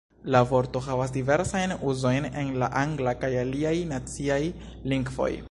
La vorto havas diversajn uzojn en la angla kaj aliaj naciaj lingvoj.